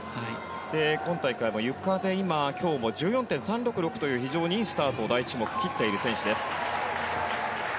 今大会も、ゆかで今日も１４．３６６という非常にいいスタートを第１種目で切っている選手です。